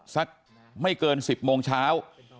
สักไม่เกิน๑๐โมงเช้า